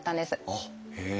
あっへえ。